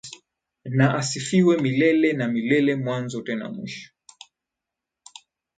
Na asifiwe milele na milele mwanzo tena mwisho.